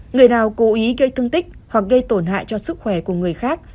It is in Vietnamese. người nào cố ý gây thương tích hoặc gây tổn hại cho sức khỏe của người khác